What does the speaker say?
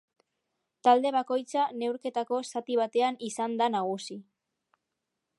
Talde bakoitza neurketako zati batean izan da nagusi.